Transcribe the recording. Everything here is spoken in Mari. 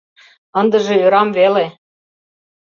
— Ындыже ӧрам веле...